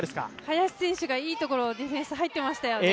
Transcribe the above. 林選手がいいところディフェンスに入っていましたよね。